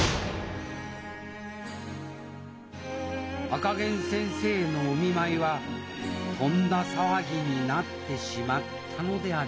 赤ゲン先生のお見舞いはとんだ騒ぎになってしまったのであります